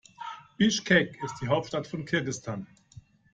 Bischkek ist die Hauptstadt von Kirgisistan.